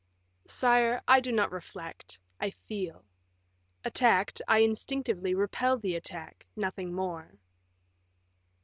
"Sire, I do not reflect, I feel. Attacked, I instinctively repel the attack, nothing more."